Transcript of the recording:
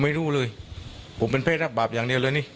ใช่แต่มันไม่ได้มีส่วนเกี่ยวข้อง